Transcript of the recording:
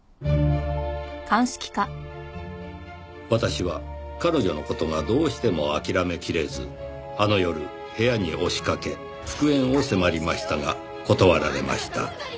「私は彼女の事がどうしても諦めきれずあの夜部屋に押しかけ復縁を迫りましたが断られました」